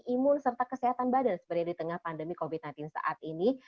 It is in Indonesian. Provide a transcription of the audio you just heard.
imun serta kesehatan badan sebenarnya di tengah pandemi covid sembilan belas saat ini